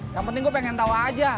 yang penting gue pengen tahu aja